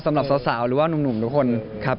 สำหรับสาวหรือว่านุ่มทุกคนครับ